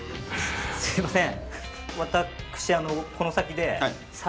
すいません。